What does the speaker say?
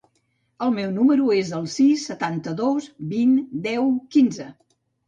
El meu número es el sis, setanta-dos, vint, deu, quinze.